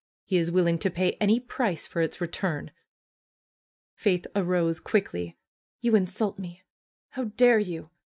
He is willing to pay any price for its return!" Faith arose quickly. "You insult me! How dare you